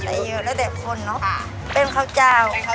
ใส่เยอะแต่ขนเนอะค่ะเป็นคาวจาวครับ